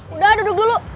udah duduk dulu